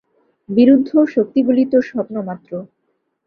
বিরুদ্ধ শক্তিগুলি তো স্বপ্ন মাত্র।